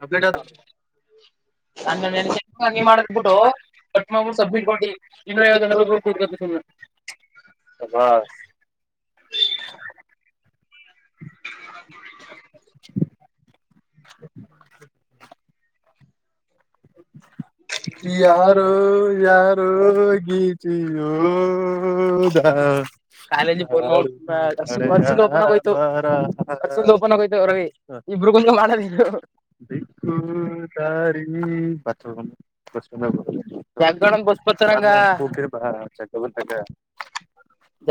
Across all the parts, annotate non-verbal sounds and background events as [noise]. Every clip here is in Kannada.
ಕಪ್ಲಿಟ ಹ [inaudible] ಹ ನೀ ಮಾಡ್ ಬಿಟ್ಟು ಮಾಡ್ಬಿಟ್ಟು ಕಟ್ ಮಾಡ್ಬಿಟ್ಟು ಸಿ ಸಬ್ಮಿಟ್ ಕೊಟ್ಟಿ [unintelligible] [inaudible] ಸಬಸ್ [inaudible] [inaudible] ಹ [inaudible] [inaudible] ಯಾರು ಯಾರೋ ಯಾರೋ ಗೀಚಿ ಯೋದಾ ಕಾಲೇಜಿ ಫೋನ್ ಕಾಲಜರ್ಷ ಭ [unintelligible] ಓಪನ್ಗೋಯ್ತು ರವಿ ಇಬ್ರಿಗೂ ಇಬ್ರಗೂ ಮಾಡವು [unintelligible] ಹ್ಮ್ ಬತ್ತು [unintelligible] ಬ ಬಸ್ಪಂಗ ಹ ಚ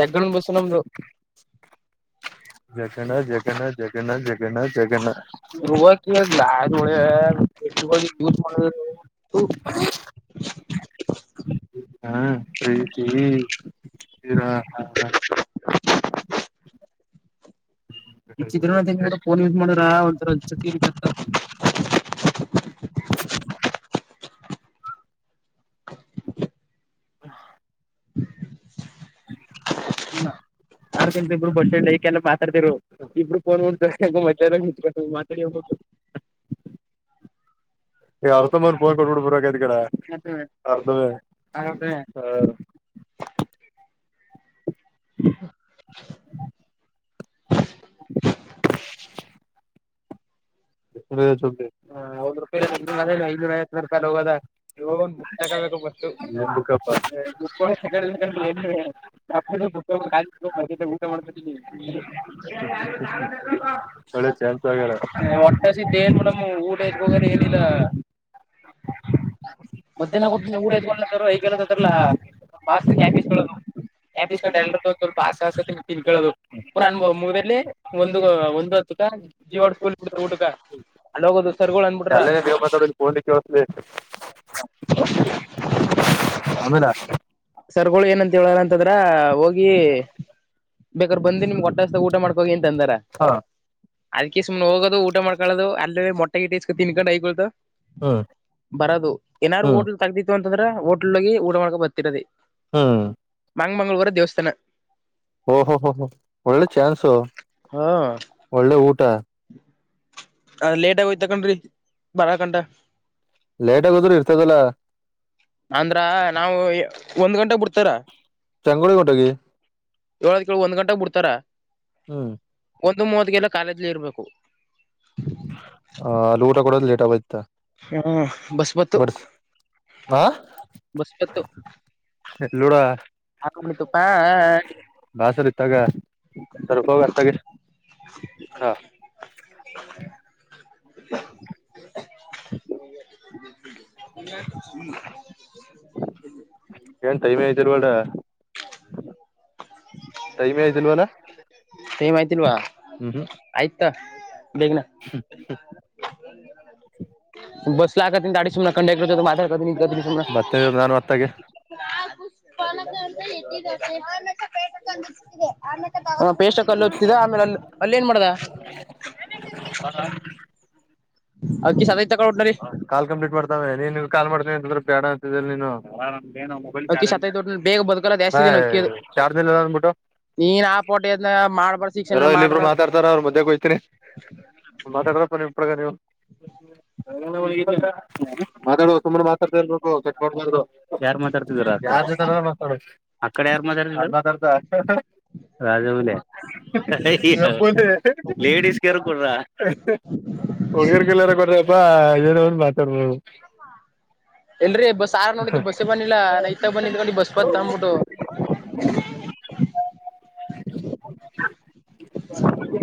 ಜಗ್ಗಳ ಬಸ ನಮ್ದು ಜಗನ್ನ ಜಗನ್ನ ಜಗನ್ನಾ ಜಗನ್ನ ಜಗನ್ನ ರಗ ಲ ಳ [unintelligible] ಯು ಮಾಡಲ [inaudible] ಹಾ ಪ್ರೀತಿ ಹಾ ಚಿತ್ರ್ರನಾ ತಿಂಬಿಟ್ಟು ಫನ್ ಯೂಸ್ ಮಾದುರೆ ಹುಚ್ಚು ಇಡ್ಕತೆ [inaudible] ಹ ಇ [unintelligible] ಆ ಕಂತ ಇಬ್ರು ಬಸ್ ಸ್ಟ್ಯಾಂಡ್ ಕೆಲ್ಲ ಮಾತಾಡ್ತಿರು ಇಬ್ರುಫೋನ್ ನೋ ಮಜ ಮಾತಾ ಹೋಗುದು [inaudible] ಈ ಅರ್ಧ ಮಂದ ಫೋನ್ ಕೊಟ್ಬಿಡ್ಬರಾಗದ್ ಕಡೆ ಅರ್ಧವೇ [inaudible] [inaudible] [inaudible] ಒಂದ್ ರೂಪಾಯ ಕೊಡ್ ಐನೂರ ಕಾಲ ಹೋಗದ ಒಂದು ಇವಾಗ ಒಂದ್ ಬುಕ್ ತಗೋಬೇಕು ಬಪ್ಪ ಕನ ಗಡ [unintelligible] ಅ ಕ ಫಸ್ಟ್ ಬುಕ್ [unintelligible] [unintelligible] ಮಾಡ್ತಾಳ್ಳ ಚ ಆಗ ಸಿದ್ದ ಪುಸ್ತಕ ಏನ್ ಮೇಡಮ್ ಊಟ ಹೋಗಾರ ಏನಿಲ್ಲ [unintelligible] ಅ ಮಧ್ಯಾಹ್ನ ಕೊಟ್ಟು ಲ್ಲಲ್ಲ ವಾಸ್ತು ಕ್ಯಾಪಿಸಸ್ [unintelligible] [unintelligible] ಹಸಸ ತಿನ್ಕೊಳ್ಳೋದು ಇಸ್ಕೊಳ್ಳೋದು ಪುನಃ ನ ಅನ್ಬೋದು ಮುಗದಲ್ಲಿ ಒಂದು ಒಂದು ಜೀವಡ್ ಸ್ಕೂಲ್ ಬಿಡ್ತ ಊಟಕ [unintelligible] ಅಲ್ಲ ದೇವಪಿಗೆಡ್ಲಿಕ್ಕೆ [unintelligible] ಅಮೇಲ ಸರ್ ಗಳು ಏನಂತ ಹೇಳಾರಂತಂದ್ರ ಹೋಗಿ ಬೇಕ ಬಂದು ನಿಮ್ಗೆ ಹೊಟ್ಟಷ್ಟದ ಊಟ ಮಾಡ್ಕೋಗ ಏಂತ ಅಂದಾರ ಹಾ ಅದ್ ಸುಮ್ನೆ ಹೋಗೋದು ಊಟ ಮಾಡಕೊಳ್ಳೋದು ಅಲ್ಲೇ ಮೊಟ್ಟೆ ಇಟೇಸ್ಕ ತಿನ್ಕೊಂಡು ಹಐಕೊತ ಹ್ಮ್ ಬರದು ಏನಾರು ಹ್ಮ್ ಹೋಟ್ಲ್ ತಗದಿತಿತ್ತು ಅಂತಂದ್ರ ಹೋಟ್ಲ್ ಹೋಗಿ ಊಟ ಮಾಡ್ಕ ಬರ್ತಿರದ ಹ್ಮ್ ಮಾಂಗಮಂಗಗಳೂರ ದೇವಸ್ಥಾನ ಓಹೋ ಹ ಹ ಒಳ್ಳೆ ಚಾನ್ಸು ಒಳ್ಳೆ ಊಟ ಅದ ಲೇಟ್ ಆಗೋಯ್ತ್ ತಕೊಂಡ್ರಿ ಬರಕಂಟ ಲೇಟ್ ಆಗೋದ್ರು ಇರ್ತದಲ್ಲ ಅಂದ್ರ ನಾವು ಒಂದ್ ಗಂಟೆ ಬಿಡ್ತಾರಾ ಚಂಗೋಳ ಕೊಟೆಗೆ ಏಳದ ಕೇಳ ಒಂದ್ ಗಂಟೆಗೆ ಬಿಡ್ತಾರ ಹ್ಮ್ ಒಂದು ಮೂವತ್ಿಗೆಲ್ಲ ಕಾಲೇಜ್ಲಿ ಇರ್ಬೇಕು ಆ ಅಲ್ಲಿ ಊಟ ಕೊಡದು ಲೇಟ್ ಆಗಯತ ಹಾ ಬಸಪತ್ತು ಬಸ್ಪತ್ತು ಎಲ್ಲೂಡ ಬಾಸರ್ ಇತ್ತಾಗ ಸ್ರ್ಪರ್ತ ಹಾ ಹ ಹ್ಮ ಏನ್ ಟೈಮೇ ಐತಿರ್ ಬಡ ಟೈಮೆ ಆಯತಿಲ್ವನಾ ಸಏ ಮಾಹತಿಲ್ವಾ ಆಯ್ತ ಹ್ಮ ಬಸ್ ಲ ಆಾಡಿ ಸುಮ ಕಂಡಕ್ಟರ್ ಮಾತ ಬರ್ತೇನೆ ಇರು ನಾನು ಅತ್ತಾಗೆ ಹಾ ಮೇ ಹ ಪೇಸ್ಕ್ಲ್ಲ ಹತಿದ ಆಮೇಲೆ ಅ ಅಲ್ಲ ಏನ್ ಮಾಡ್ದ ಅವಕ ಸಮಯ ಕಾಲ್ ಕಂಪ್ಲೀಟ್ ಮಾಡ್ತಾವೆ ನೀನ್ ನಿ್ ಕಾಲ್ ಮಾಡ್ತೀವ ಎಂತಂದ್ರ ಬೇಡ ಅಂತ ನೀನು ನ ಮೊಬೈಲ್ ಅಕ್ಕಿ ಚಾರ್ಜ ಸತೈತ್ ಒಟ್ನಲ್ಲಿ ಬೇಗ ಬದುಕಲ್ಲ ಹ ಜಾಸ್ತಿ ದಿನ ಅಕ್ಕಿ ಅದು ಚಾರ್ಜಲ್ಲ ಮಟ ನೀನ್ ಆ ಪೋಟಿ ಅದ್ನ ಮಾಡ್ಬಾರ ಯಾರೋ ಶಿಕ್ಷಣ ಮಾಡ್ರ ಇಲ್ಲಿಬ್ರು ಅದ ಮಾತಾಡ್ತಾರ ಅವರು ಮಧ್ಯಕ್ಕೆ ಹಯ್ತೀನಿ ಮಾತಾಡ್ರಪ್ಪ ನೀಗ ನೀವು ಮಾತಾಡುವ ಸು ಯಾರ್ ಮಾತಾಡ್ತಿದರ ಆಡೆ ಯಾರ್ ಮಾತಾಡ್ ದ ರಾಜವುಲೆ ಲೇಡೀಸ್ ಕೆರ್ ಕೊಡ್ರ ಹುಡ್ಗರ್ಗೆಲ್ಲಾರ ಕೊಡ್ರಪ್ಪಾ ಇದನ ಒಂದ್ ಮಾತಾಡ್ಬದು ಹ ಎಲ್ರರಿ ಬಸ್ ಆರ ನೋಡಿದ್ದು ಬಸ್ಸೇ ಬನ್ನಿಲ್ಲ ನಾ ಇತ್ತಾಗ ಬಂದಿಕೊಂಡಿ ಬಸ್ ಬತ್ ತಂದ್ಬಿಟ್ಟು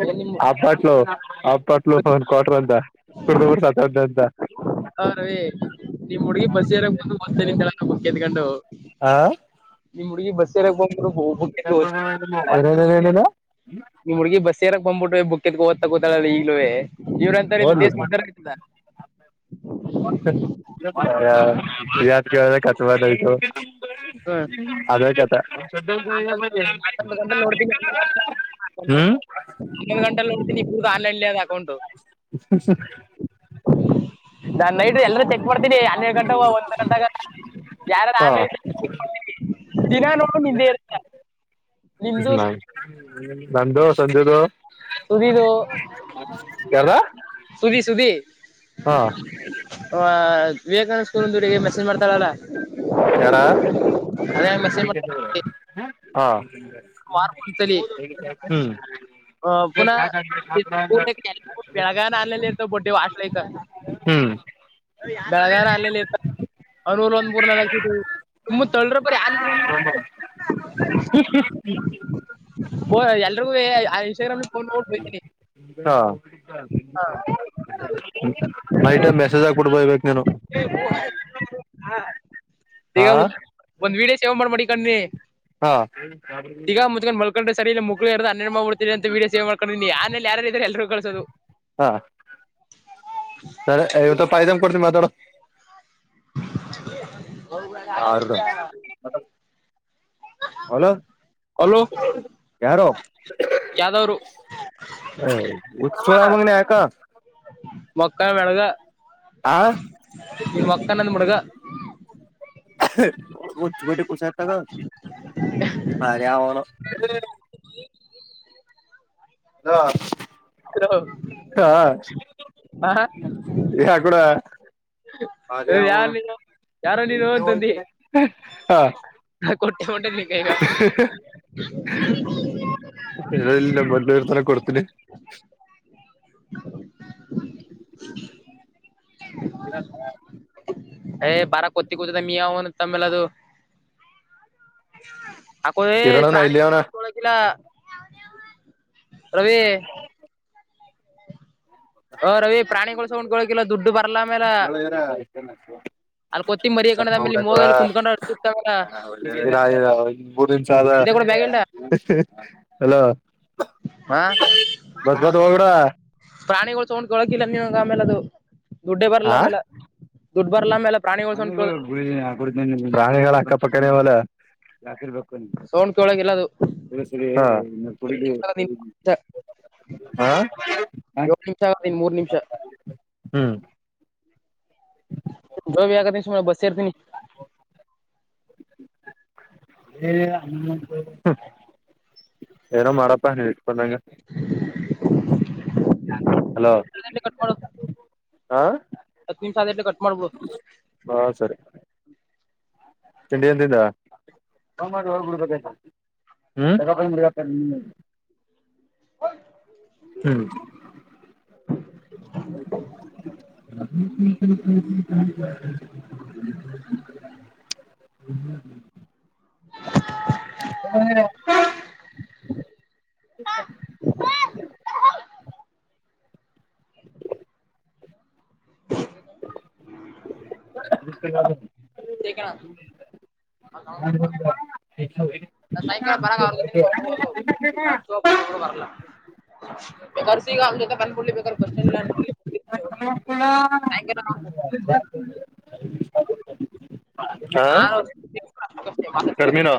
ಏನ್ ನಿಮ್ ಅಬಟ್ಲ ಅ ಪಟ್ಲು ಒ್ ಕ್ವಾಟರ್ ಅಂತ ಕುಡತ ಅಂತ ಹಾ ರವಿ ನಿಮ್ ಹುಡ್ಗಿ ಬಸ್ ಏಾರಕ್ಕೆ ಬಂದು ಬ್ತೇ ನಿಂತೆಲ್ಲ ಬುಕ್ ಎದಕೊಂಡು ಆ ಈ ಹುಗಿ ಬಸ್ಸ ಬ ಏನೇನೇನೇನೇನು ನಿ್ ಹುಗ ಬಸ್ ರಕ್ ಬ್ಬಿಟ್ಟ ಬುಕ್ಕದತ್ ದ್ತಾ ಗೊತಲ್ಲ ಈಗ್ಲುವೇ ಇವರತೋರ್ ಇದ್ರೆ ದೇಶ ಎಲ್ಲಿಂದ ಉದ್ದಾರ ಆಗ್ತದ ಾತ್ ಕೇಳ್ರ ಕತ್ಬಾರದಯ್ತು ಹ್ಮ್ [unintelligible] ಅದತ ಹನ್ನೊಂದು [unintelligible] ಅಕೌಟು ಒನ್ನ ಗಂಟಲ್ಲ ನೋಡ್ತೀನಿ ಇಗ ಆನ್ಲೈನ್ ಇಲ್ಲಿ ಅದು ಅಕೌಂಟು [unintelligible] ನಾನ್ ನೈಟ್ ಎಲ್ಲರ ಚೆಕ್ ಮಾಡ್ತೀನಿ ಹನ್ನೆಡು ಗಂಟೆಗೆ ಒಂದ ಗಂಟಾಗ ಯಾರರ ಹಾ ಆನ್ಲೈನ್ ದಿನಾ ನೋಡು ನಿಂದೆ ಇರ್ತ ನಂದು ಸಂಜೂದು ಸಧಿದು ಯಾರ ಸುಧಿ ಸುಧಿ ಹಾ ಆ ವಿವೇಕಾನಂದ ಸ್ಕೂಲ್ ಮೆಸೇಜ್ ಮಾಡ್ತಾಳಲ್ಲ ಯಾರ ಅದ ಮೆಸೇಜ್ ಮಾಡ್ತ ಹಾ ಹ್ಮ್ ಹ ಪುನಃ [unintelligible] ಬೆಳಗಾನ ಆನ್ಲೈನ್ ಇರ್ತಾವ ಬೋಡ್ಡೆ ಹೈಕ ಹ್ಮ್ ಬೆಳಗಾನಾ ಆನ್ಲೈನ್ ಅನ್ೂಲ್ ಒಂದಪರ್ ತುಂಬ ತಳ್ರ ಬರಿ [unintelligible] [unintelligible] ಓ ಎಲ್ರಿಗೂ ಆ ಇನ್ಸ್ಟಾಗ್ರಾಮ್ಲ್ಲಿ ಫೋನ್ ನೋ ಬೋಗತೀನಿ [unintelligible] ಹಾ ನೈಟೈ ಮೆಸೇಜ್ ಹಾಕ್ ಬುಡಬೇಕು ನೀನು ಹಾ ಹಾ ಒಂದ್ ವಿಡಿಯೋ ಸೇವ್ ಮಾಡಿ ಮಡಿಕಂದಿನಿ ಹಾ ತಿಕ್ಕ ಮುಚ್ಕೊಂಡು ಮಲ್ಕೊಂಡ್ರೆ ಸರಿ ಇಲ್ಲ ಅಂದ್ರೆ ಮಕ್ಳಿ ಹರದು ಹನ್ನೆರಡು ಮಾಡಿಬಿಡುತ್ತೀನಿ ಅಂತ ವಿಡಿಯೋ ಸೇವ್ ಮಾಡ್ಕೊಂಡು ಆಮೇಲೆ ಯಾರಾರ್ ಇದಾರೆ ಅವರೆಲ್ಲರಿಗೂ ಕಳಿಸಿ ಹ ಸರಿ ಇವತ್ತು ಪಾಯದಮ್ ಕೊಡ್ತೀನಿ ಮಾತಾಡು ಯಾರು [unintelligible] ಹಲೋ ಹಲೋ ಯಾರೋ ಯಾವ್ದವ್ರು ಹ ಹುಚ್ಚ ಸೂಳೇಮಗನೆ ಯಾಕ ಮೊಕ್ಕನ ಮಳಗ ಆ ಈ ಮೊಕ್ಕನದ ಮಡಗ [unintelligible] [inaudible] ಚೂ ಕುಶ್ಯಟಲ್ [unintelligible] ಅವನ್ಯಾವನೋ ಹಲೋ ಹಾ ಹ ಯಾ ಕೂಡ ಯೇ ಯಾಲ್ಲಿಲೋ ಹಾ ಹಾ ಕೊಟ್ಟೆ ಮಾಡಟಗ ಈಗ [unintelligible] ದೆರತಾನಕೊಡ್ತೀನಿ [inaudible] ಏ ಬಾರ ಕೊತ್ತ ಕುೂತದ ಮ ಅವನು ತಮ್ಮೇಲೆದು [inaudible] [unintelligible] ಆಕೋ ಕಿರಣನ ಇಲ್ಲಿ ಪ್ರಾಣಿಗಳು ಅವನ ತಗೊಂಡಕಳಕಿಲ್ಲ ರವಿ ಓ ರವಿ ಪ್ರಾಣಿಗಳ್ಸಕೊಂಡ್ಕಳಕಿಲ್ಲ ದುಡ್ಡು ಬರ್ಲಮೇಲೆ [unintelligible] ಚಿಕ್ತಾವಲ್ಲ ಮೂರ್ ನಿಮಿಸ್ ಆದ ಇದೇ ಕೂಡ ಬ್ಯಾಗ್ ಇಲ್ಡ ಹಲೋ ಹಾ ಬಸ್ ಬತ್ ಹೋಗ್ಬಿಡ ಪ್ರಾಣಿಗೊಳ್ ತೊಂಡ್ ಕಳಕಿಲ್ಲ ನಿವಗೆ ಆಮೇಲೆ ಅದು ದುಡ್ಡೇ ಬರ್ಲ ಆಮೇಲ ದುಡ್ ಬರ್ಲ ಆಮೇಲ ಮನ ಗ ರಾಳಿಗಳ ಅಕ್ಕಪಕ್ಕ ಅವಲ್ಲ [unintelligible] ಸೌಂಡ್ ಕೇಳೋಗಿಲ್ಲ ಅದು ಏಳು [unintelligible] ಹಾ ನಿಮಿಷ ಆಗದ ಇನ್ ಮೂರ್ ನಿಮಿಷ ಹ್ಮ್ ಜೋವಿ ಆಗತಿ ಬಸರ್ತಿ ನೀ ಏನೋ ಮಾಡಪ್ಪ ಹೇಳ ಪಲಗೆ ಹಲೋ ಕಟ್ ಮಾಡು ಹಾ ಹತ್ತು ನಿಮಿಷ ಆದಟ್ಲೆ ಕಟ್ ಮಾಡ್ಬಿಡು ಹಾ ಸರಿ ಚಂಡಿನ್ದಿಂದ ಬಾ ಮ [unintelligible] ಹ್ಮ ಹ್ಮ್ ಹ್ಮ್ ಹ್ಮ ಹ್ಮ್ಮ ಎಲ್ಲಾ ಹ ಹ ಬ ಬ ಕೇಣ ನ ಸಾಯಂಕಾಲ ಬರ ಆರ್ನಿ ಹ್ಮ್ ಬಡುವದು ನ ಬರ್ಲ್ಲ ಕರ್ಸಿಗ ಅವ್ ಜೊತೆ ಕನ್ಕಡ್ಲಿ ಬೇಕಾದ್ರ ಬಸ್ ಸ್ಟ್ಯಾಂಡ್ಲ್ಲ ಳ ನಾ ಕರ್ಮೀನ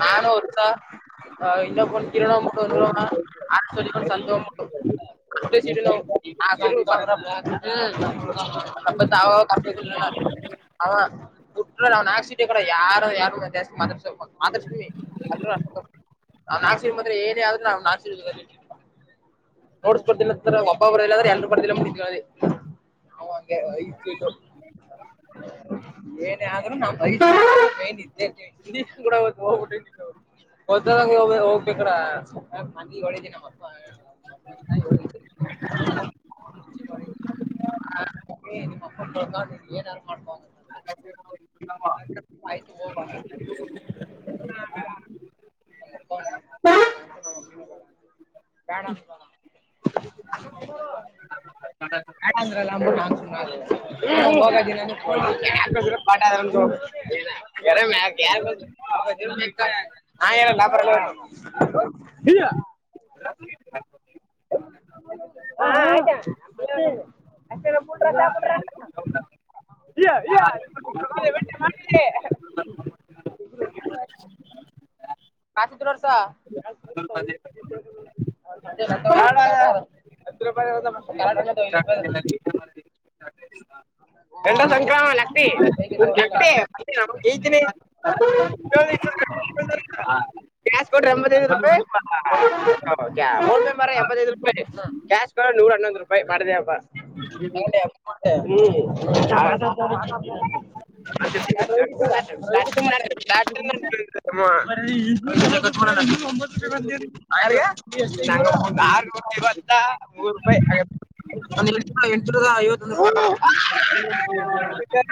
ಹೌ ನಾನು ಒತಾ ಇನ್ನ ಕೊ ಕಿಣ ಮಟ್ಟ ಆ ಸಿೊಂಡಂದು ಸಂದವ ಮಟ್ಟ ಕ ಸಿ ನಬ ಕ ಹ ಟ್ರ ನ್ ಹಾಕ್ಸ ಕಡ ಯಾರು ಯಾರು ಜಾಸ್ತಿ ಮಾತಾ ಮಾತತ ಅ ನಾ ನಾಗಸೀರ್ ಮಾಂದ್ರೆ ಏನೇ ಆದ್ರು ನಾವವು ನಾಸಿ ನೋಡ್ಸ್ ಬರ್ತನ ಒಪ್ಪ ಬರದಿಲ್ಲ್ರೆ ಎರರು ಬರ್ದಿಲ್ಲ ಮು ಹ ಹಂಗೆು ಹ ಹೋಗ್ಬೇಕಡ ಹೊನ ಮ ಹ ನಿಮ್ಮ ಫೋಟೋ ಕ ಏನಾದಾರು ಮಾಡ್ಬ ಆತು ಬಡ ಹ ಯಂದ್ರಲ್ಲಮ್ಮ ನಾನ್ ಹ ಕರನ ಹ ಹೌದಾ ಇಯ ಇಯೆ ಮಾಡಿದೆ ಪಚತ್ರ ವರ್ಷ ಹತ್ತು ರೂಪಾಯಾಯ ಎಲ್ಲ ಸಂಕ್ರಾಮಣತಿ ತಿನಿ ಗ್ಯಾಸ್ ಕಡ ರಂಬದದು ರಪ ಫೋನ್ ಮರ ಎಂಬತ್ತೈದು ರೂಪಾಯಿ ಕ್ಯಾಶ್ ಬ ನೂರ ಹನ್ನೊಂದು ರೂಪಾಯಿ ಮಾಡಿದೆಪ್ಪಾ ನ ಾ ಒತ್ತು ರೂಪಾಯಿ ಬಂದೇವ ಮೂರು ರೂಪಾಯಿ ಒಂದು ಲಕ್ಷ ಎಂಟನೂರ ಐವತ್ತೊ ಹದ